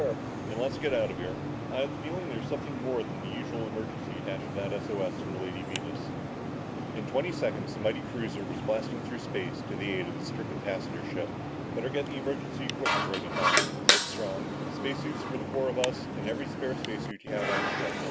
"Yes, sir!" "Then let's get out of here. I have a feeling there's something more than just the usual emergency attached to that S O S from the Lady Venus." In twenty seconds the mighty cruiser was blasting through space to the aid of the stricken passenger ship. "Better get the emergency equipment ready, Tom," said Strong. "Space suits for the four of us and every spare space suit you have on the ship.